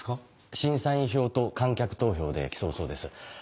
審査員票と観客投票で競うそうです。